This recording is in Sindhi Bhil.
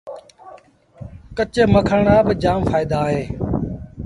ڪچي مکڻ رآ با جآم ڦآئيدآ اوهيݩ